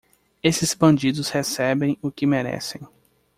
Esses bandidos recebem o que merecem.